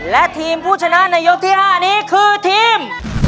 และทีมผู้ชนะในยกที่๕นี้คือทีม